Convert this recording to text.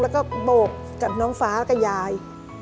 แล้วก็โบกกับน้องฟ้ากับยาย